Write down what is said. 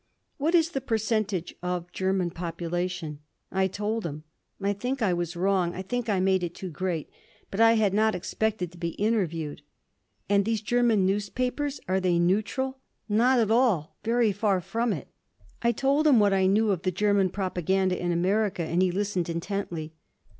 "What is the percentage of German population?" I told him. I think I was wrong. I think I made it too great. But I had not expected to be interviewed. "And these German newspapers, are they neutral?" "Not at all. Very far from it." I told him what I knew of the German propaganda in America, and he listened intently.